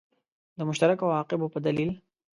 د مشترکو عواقبو په دلیل.